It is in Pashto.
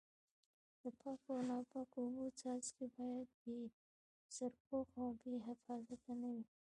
د پاکو او ناپاکو اوبو څاګانې باید بې سرپوښه او بې حفاظته نه وي.